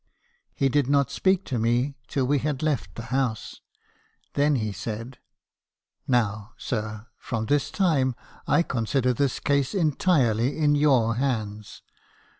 He did not speak to me till we had left the house. Then he said —* Now, sir, from this time, I consider this case entirely in your hands.